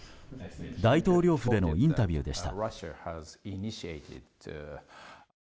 大統領府でのインタビューでした。